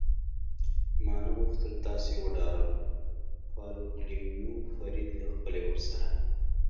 ما نه غوښتل تاسې وډاروم، فاروقلومیو فرید له خپلې ورسره.